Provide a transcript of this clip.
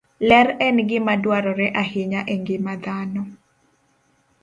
Ler en gima dwarore ahinya e ngima dhano.